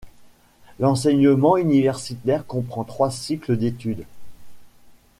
L'enseignement universitaire comprend trois cycles d'études.